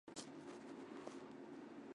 整修期间恕不开放参观